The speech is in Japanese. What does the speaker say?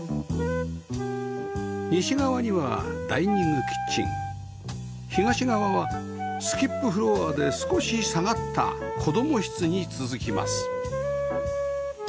西側にはダイニングキッチン東側はスキップフロアで少し下がった子供室に続きます